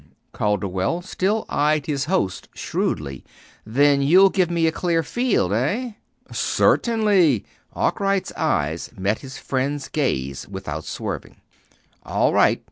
Calderwell still eyed his host shrewdly. "Then you'll give me a clear field, eh?" "Certainly." Arkwright's eyes met his friend's gaze without swerving. "All right.